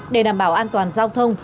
để đảm bảo an toàn giao thông